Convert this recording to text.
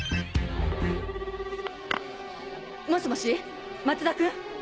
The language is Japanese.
もしもし松田君？